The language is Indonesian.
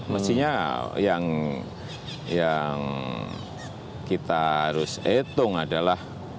mestinya yang kita harus hitung adalah